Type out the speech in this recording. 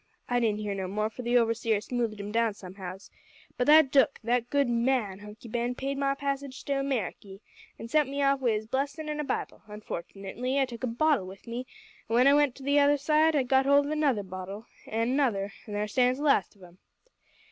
I didn't hear no more, for the overseer smoothed 'im down somehows. But that dook that good man, Hunky Ben, paid my passage to Ameriky, an' sent me off wi' his blessin' an' a Bible. Unfortnitly I took a bottle wi' me, an when I got to the other side I got hold of another bottle, an' another an' there stands the last of 'em.'